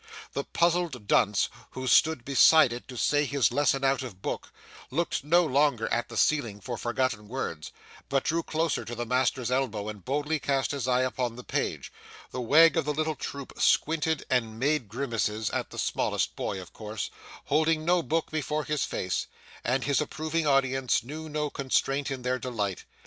The puzzled dunce, who stood beside it to say his lesson out of book, looked no longer at the ceiling for forgotten words, but drew closer to the master's elbow and boldly cast his eye upon the page; the wag of the little troop squinted and made grimaces (at the smallest boy of course), holding no book before his face, and his approving audience knew no constraint in their delight.